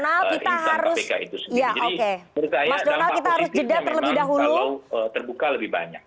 jadi menurut saya dampak positifnya memang kalau terbuka lebih banyak